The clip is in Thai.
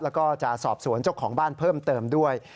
แล้วก็จะสอบสวนเจ้าของบ้านเพิ่มเติมด้วย